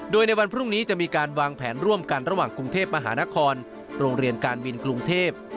โดยในวันพรุ่งนี้จะมีการวางแผนร่วมกันระหว่างกรุงเทพมหานครโรงเรียนการบินกรุงเทพ